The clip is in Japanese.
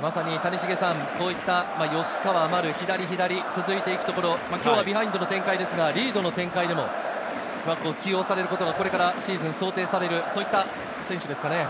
まさに谷繁さん、こういった吉川、丸、左が続いていくところ、今日はビハインドの展開ですが、リードの展開でも起用されることが、これからシーズンを想定される、そういった選手ですかね。